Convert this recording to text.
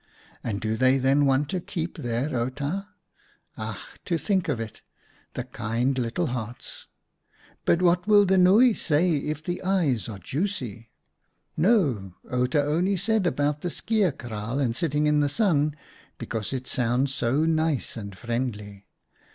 "And do they then want to keep their Outa ? Ach ! to think of it ! The kind little hearts ! But what will the Nooi say if the eyes are juicy? No, Outa only said about the skeer kraal and sitting in the sun because it sounds so nice and friendly.